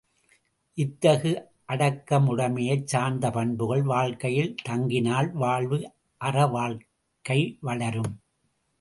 இத்தகு அடக்கமுடைமையைச் சார்ந்த பண்புகள் வாழ்க்கையில் தங்கினால் வாழ்வு அறவாழ்க்கை வளரும்.